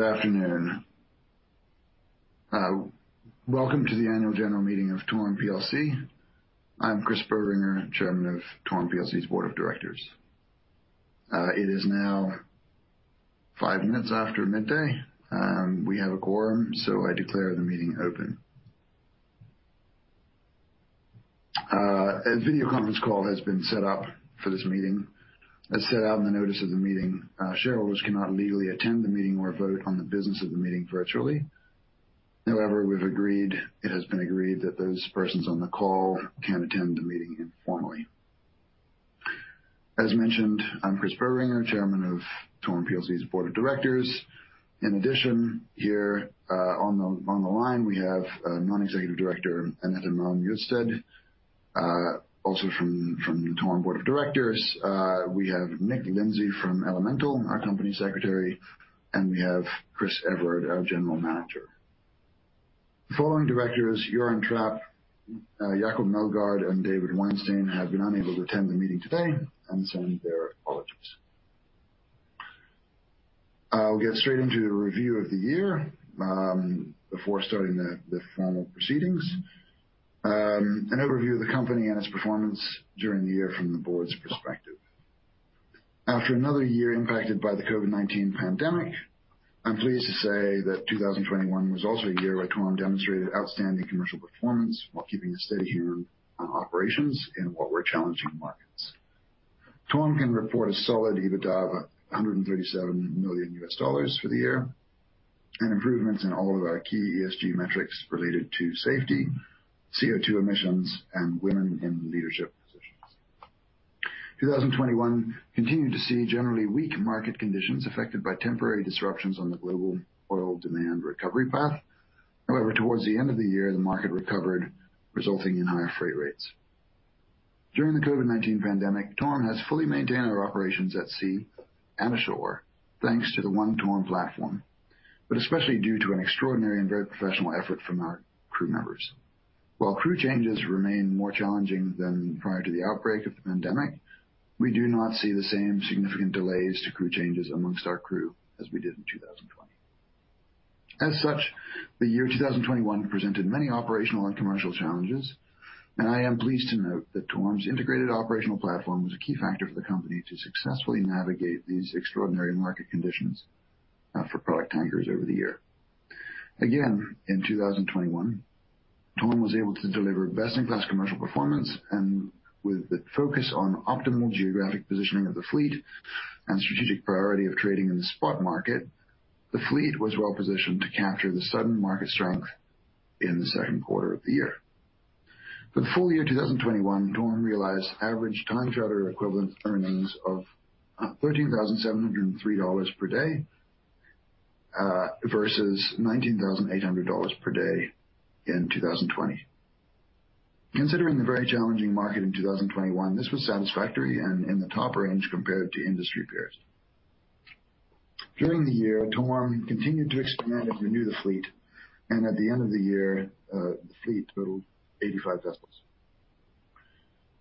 Good afternoon. Welcome to the Annual General Meeting of TORM plc. I'm Chris Boehringer, Chairman of TORM plc's Board of Directors. It is now five minutes after midday. We have a quorum, so I declare the meeting open. A video conference call has been set up for this meeting. As set out in the notice of the meeting, shareholders cannot legally attend the meeting or vote on the business of the meeting virtually. However, we've agreed, it has been agreed that those persons on the call can attend the meeting informally. As mentioned, I'm Chris Boehringer, Chairman of TORM plc's Board of Directors. In addition, here, on the line, we have Non-Executive Director, Annette Malm Justad. Also from TORM Board of Directors, we have Nick Lindsay from Elemental, our Company Secretary, and we have Chris Everard, our General Manager. The following directors, Göran Trapp, Jacob Meldgaard, and David Weinstein have been unable to attend the meeting today and send their apologies. I'll get straight into the review of the year before starting the formal proceedings. An overview of the company and its performance during the year from the board's perspective. After another year impacted by the COVID-19 pandemic, I'm pleased to say that 2021 was also a year where TORM demonstrated outstanding commercial performance while keeping a steady hand on operations in what were challenging markets. TORM can report a solid EBITDA of $137 million for the year and improvements in all of our key ESG metrics related to safety, CO2 emissions, and women in leadership positions. 2021 continued to see generally weak market conditions affected by temporary disruptions on the global oil demand recovery path. However, towards the end of the year, the market recovered, resulting in higher freight rates. During the COVID-19 pandemic, TORM has fully maintained our operations at sea and ashore, thanks to the One TORM platform, but especially due to an extraordinary and very professional effort from our crew members. While crew changes remain more challenging than prior to the outbreak of the pandemic, we do not see the same significant delays to crew changes amongst our crew as we did in 2020. As such, the year 2021 presented many operational and commercial challenges, and I am pleased to note that TORM's integrated operational platform was a key factor for the company to successfully navigate these extraordinary market conditions, for product tankers over the year. Again, in 2021, TORM was able to deliver best-in-class commercial performance and with the focus on optimal geographic positioning of the fleet and strategic priority of trading in the spot market, the fleet was well positioned to capture the sudden market strength in the second quarter of the year. For the full year 2021, TORM realized average time charter equivalent earnings of $13,703 per day versus $19,800 per day in 2020. Considering the very challenging market in 2021, this was satisfactory and in the top range compared to industry peers. During the year, TORM continued to expand and renew the fleet, and at the end of the year, the fleet totaled 85 vessels.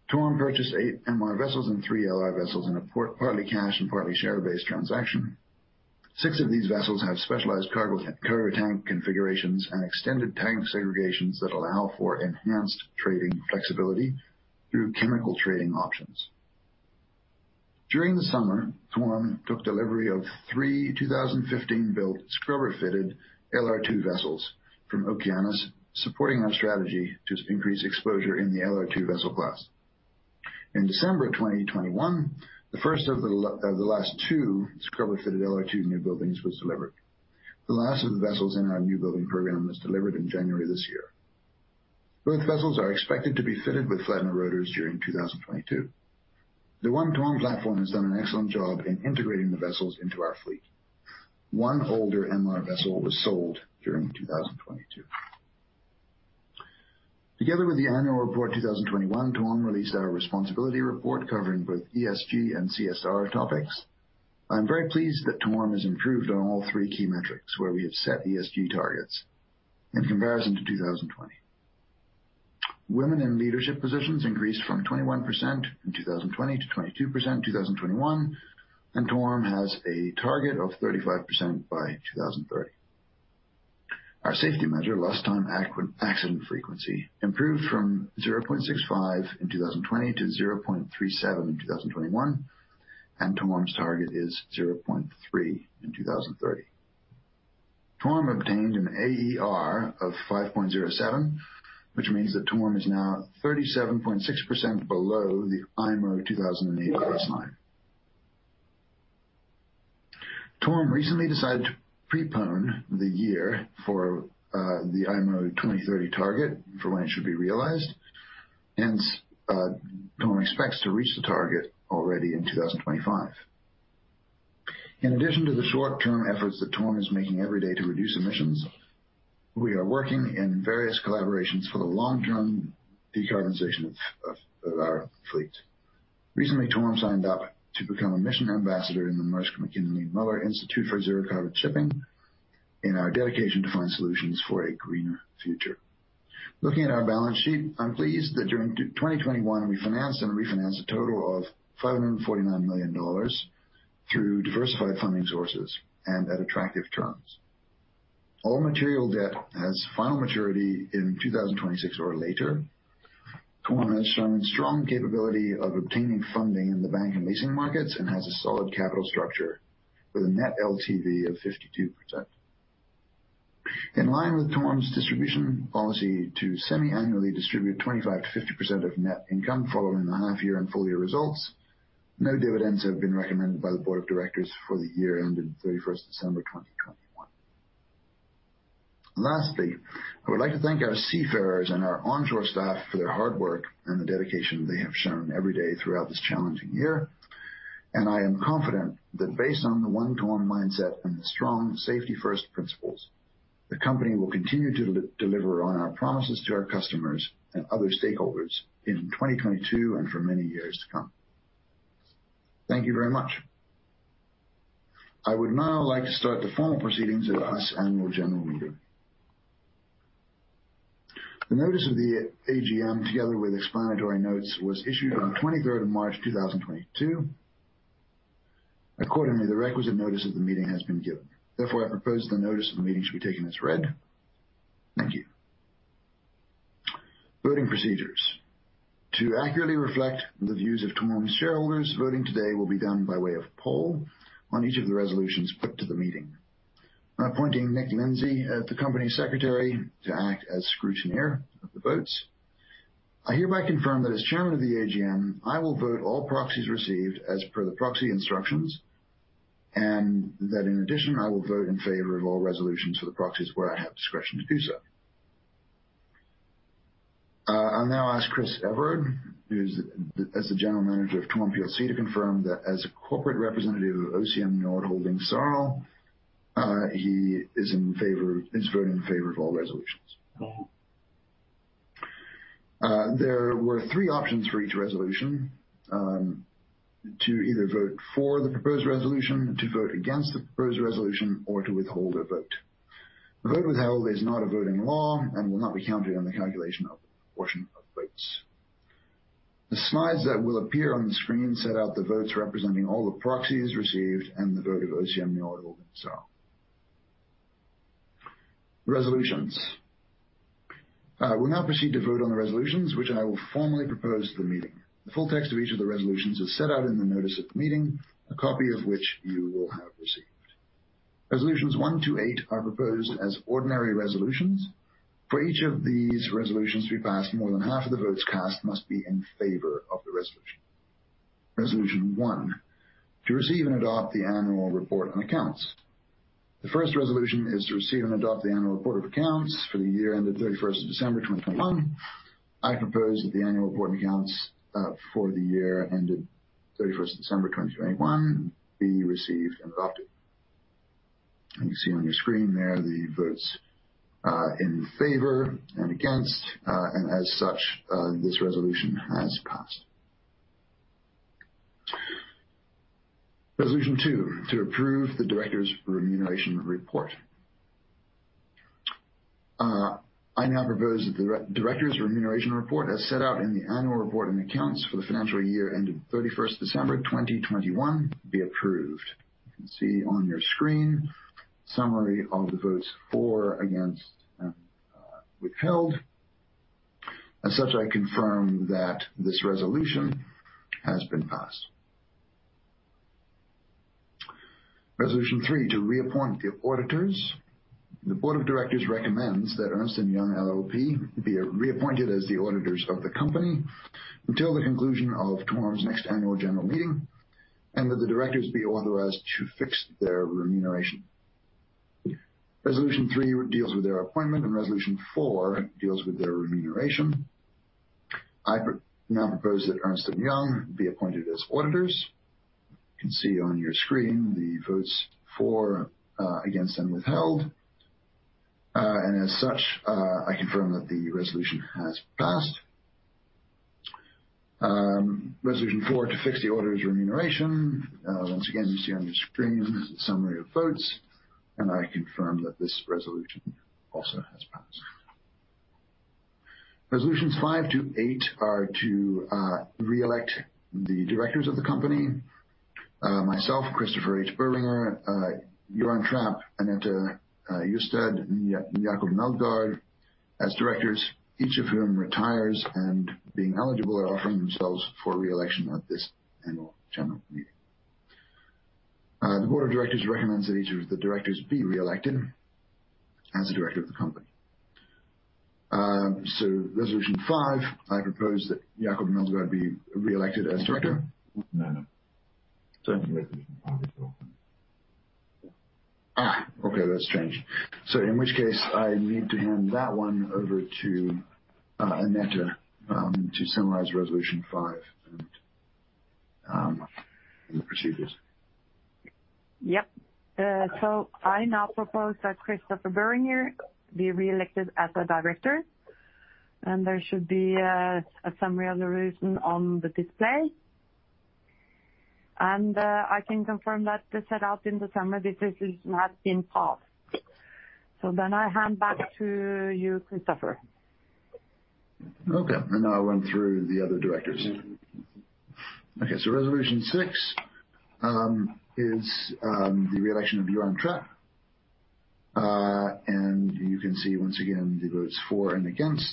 TORM purchased eight MR vessels and three LR vessels in part, partly cash and partly share-based transaction. Six of these vessels have specialized cargo tank configurations and extended tank segregations that allow for enhanced trading flexibility through chemical trading options. During the summer, TORM took delivery of three 2015-built scrubber-fitted LR2 vessels from Okeanis, supporting our strategy to increase exposure in the LR2 vessel class. In December of 2021, the first of the last two scrubber-fitted LR2 newbuildings was delivered. The last of the vessels in our newbuilding program was delivered in January this year. Both vessels are expected to be fitted with Flettner rotors during 2022. The One TORM platform has done an excellent job in integrating the vessels into our fleet. One older MR vessel was sold during 2022. Together with the annual report 2021, TORM released our responsibility report covering both ESG and CSR topics. I'm very pleased that TORM has improved on all three key metrics where we have set ESG targets in comparison to 2020. Women in leadership positions increased from 21% in 2020 to 22% in 2021, and TORM has a target of 35% by 2030. Our safety measure, lost time accident frequency, improved from 0.65 in 2020 to 0.37 in 2021, and TORM's target is 0.3 in 2030. TORM obtained an AER of 5.07, which means that TORM is now 37.6% below the IMO 2008 baseline. TORM recently decided to prepone the year for the IMO 2030 target for when it should be realized. Hence, TORM expects to reach the target already in 2025. In addition to the short-term efforts that TORM is making every day to reduce emissions, we are working in various collaborations for the long-term decarbonization of our fleet. Recently, TORM signed up to become a mission ambassador in the Mærsk Mc-Kinney Møller Center for Zero Carbon Shipping in our dedication to find solutions for a greener future. Looking at our balance sheet, I'm pleased that during 2021, we financed and refinanced a total of $549 million through diversified funding sources and at attractive terms. All material debt has final maturity in 2026 or later. TORM has shown strong capability of obtaining funding in the bank and leasing markets and has a solid capital structure with a net LTV of 52%. In line with TORM's distribution policy to semiannually distribute 25%-50% of net income following the half year and full year results, no dividends have been recommended by the board of directors for the year ended 31st December 2021. Lastly, I would like to thank our seafarers and our onshore staff for their hard work and the dedication they have shown every day throughout this challenging year. I am confident that based on the One TORM mindset and the strong safety first principles, the company will continue to deliver on our promises to our customers and other stakeholders in 2022 and for many years to come. Thank you very much. I would now like to start the formal proceedings of this annual general meeting. The notice of the AGM, together with explanatory notes, was issued on March 23rd, 2022. Accordingly, the requisite notice of the meeting has been given. Therefore, I propose the notice of the meeting should be taken as read. Thank you. Voting procedures. To accurately reflect the views of TORM's shareholders, voting today will be done by way of poll on each of the resolutions put to the meeting. I appoint Nick Lindsay as the company secretary to act as scrutineer of the votes. I hereby confirm that as Chairman of the AGM, I will vote all proxies received as per the proxy instructions, and that in addition, I will vote in favor of all resolutions for the proxies where I have discretion to do so. I'll now ask Chris Everard, who's the General Manager of TORM plc, to confirm that as a corporate representative of OCM Njord Holdings S.à r.l., he is voting in favor of all resolutions. There were three options for each resolution, to either vote for the proposed resolution, to vote against the proposed resolution, or to withhold a vote. A vote withheld is not a vote in law and will not be counted on the calculation of the proportion of votes. The slides that will appear on the screen set out the votes representing all the proxies received and the vote of OCM Njord Holdings S.à r.l. Resolutions. We'll now proceed to vote on the resolutions which I will formally propose to the meeting. The full text of each of the resolutions is set out in the notice of the meeting, a copy of which you will have received. Resolutions 1 to 8 are proposed as ordinary resolutions. For each of these resolutions to be passed, more than half of the votes cast must be in favor of the resolution. Resolution 1: to receive and adopt the annual report and accounts. The first resolution is to receive and adopt the annual report of accounts for the year ended 31st December 2021. I propose that the annual report and accounts, for the year ended 31 December 2021 be received and adopted. You can see on your screen there the votes, in favor and against. As such, this resolution has passed. Resolution 2: to approve the directors' remuneration report. I now propose that the directors' remuneration report, as set out in the annual report and accounts for the financial year ended 31 December 2021, be approved. You can see on your screen summary of the votes for, against, and withheld. As such, I confirm that this resolution has been passed. Resolution three: to reappoint the auditors. The board of directors recommends that Ernst & Young LLP be reappointed as the auditors of the company until the conclusion of TORM's next annual general meeting, and that the directors be authorized to fix their remuneration. Resolution three deals with their appointment and resolution four deals with their remuneration. I now propose that Ernst & Young be appointed as auditors. You can see on your screen the votes for, against, and withheld. As such, I confirm that the resolution has passed. Resolution four: to fix the auditors' remuneration. Once again, you see on your screen the summary of votes, and I confirm that this resolution also has passed. Resolutions five to eight are to re-elect the directors of the company, myself, Christopher Boehringer, Göran Trapp, Anette Justad, Jacob Meldgaard, as directors, each of whom retires and being eligible are offering themselves for re-election at this annual general meeting. The Board of Directors recommends that each of the directors be re-elected as a director of the company. Resolution five, I propose that Jacob Meldgaard be re-elected as director. No, no. Sorry. Resolution 5 is open. Okay, that's strange. In which case, I need to hand that one over to Anette, to summarize resolution five and the procedures. Yep. I now propose that Christopher Boehringer be re-elected as a director, and there should be a summary on the reason on the display. I can confirm that as set out in the summary, this decision has been passed. I hand back to you, Christopher. Okay. Now I run through the other directors. Okay. Resolution 6 is the re-election of Göran Trapp. You can see once again the votes for and against.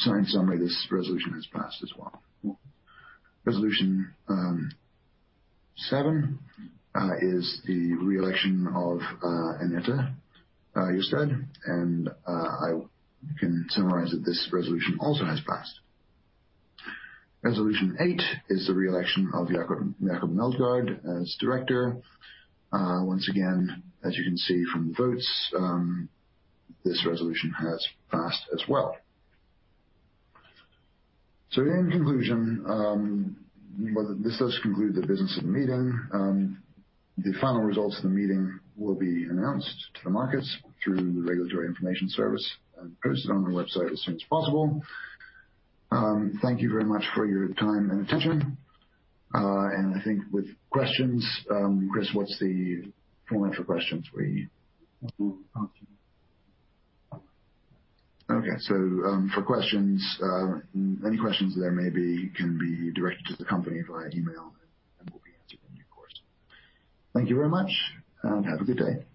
So, in summary, this resolution has passed as well. Resolution 7 is the re-election of Anette Justad. I can summarize that this resolution also has passed. Resolution 8 is the re-election of Jacob Meldgaard as director. Once again, as you can see from the votes, this resolution has passed as well. In conclusion, this does conclude the business of the meeting. The final results of the meeting will be announced to the markets through the Regulatory Information Service and posted on the website as soon as possible. Thank you very much for your time and attention. I think with questions, Chris, what's the format for questions were you- We'll come to you. Okay. For questions, any questions there may be can be directed to the company via email, and will be answered in due course. Thank you very much, and have a good day.